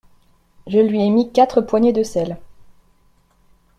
Je lui ai mis quatre poignées de sel.